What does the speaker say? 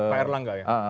pak erlangga ya